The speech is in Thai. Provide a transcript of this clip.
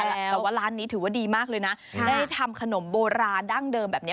แต่ว่าร้านนี้ถือว่าดีมากเลยนะได้ทำขนมโบราณดั้งเดิมแบบนี้